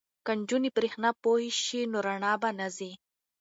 که نجونې بریښنا پوهې شي نو رڼا به نه ځي.